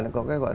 là có cái gọi